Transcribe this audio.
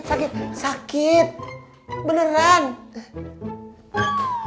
abang mau inget ulang tahun lu